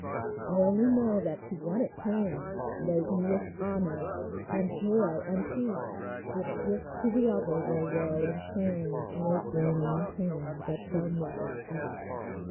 I only know that to one it came Laden with honor, and joy, and peace ; Its gifts to the other were woe and shame, And a burning pain that shall never cease